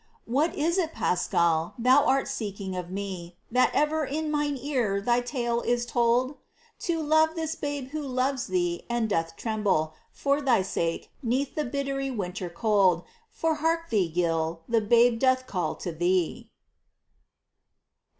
What is it, Pascal, thou art seeking of me That ever in mine ear thy tale is told ?— To love this Babe Who loves thee, and doth tremble For thy sake, 'neath the bitter wintry cold : For hark thee, Gil, the Babe doth call to thee !